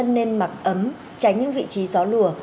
nên mặc ấm tránh những vị trí gió lùa